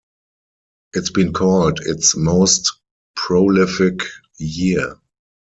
It's been called its most prolific year.